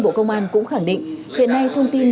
bộ công an cũng khẳng định hiện nay thông tin